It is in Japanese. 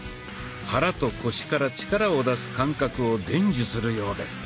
肚と腰から力を出す感覚を伝授するようです。